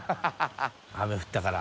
雨降ったから。